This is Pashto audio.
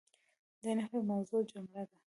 د نحوي موضوع جمله ده.